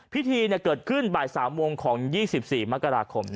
พิธีเกิดขึ้นบ่าย๓โมงของ๒๔มกราคม